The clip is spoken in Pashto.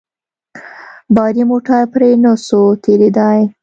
باري موټر پرې نه سو تېرېداى.